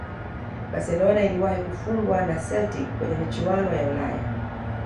barcelona iliwahi kufungwa na celtic kwenye michuano ya ulaya